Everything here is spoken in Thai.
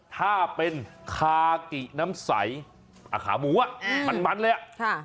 ถ้าเป็นคากิน้ำใสขาหมูอ่ะมันเลยอ่ะค่ะ